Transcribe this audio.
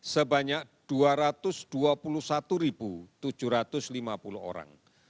sebanyak dua ratus dua puluh satu tujuh ratus lima puluh orang